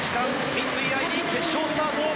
三井愛梨、決勝スタート。